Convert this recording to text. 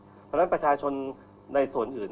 เพราะฉะนั้นประชาชนในส่วนอื่น